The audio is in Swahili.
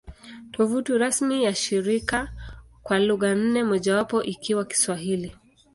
Tovuti rasmi ya shirika kwa lugha nne, mojawapo ikiwa Kiswahili